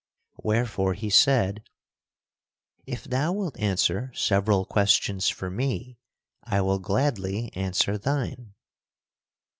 Wherefore he said: "If thou wilt answer several questions for me, I will gladly answer thine."